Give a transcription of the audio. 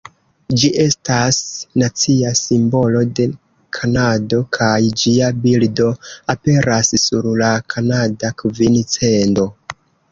Ĝi estas nacia simbolo de Kanado kaj ĝia bildo aperas sur la kanada kvin-cendo.